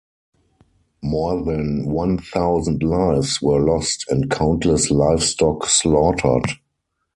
More than one thousand lives were lost, and countless livestock slaughtered.